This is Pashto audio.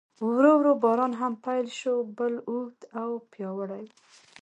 ورو ورو باران هم پیل شو، پل اوږد او پیاوړی و.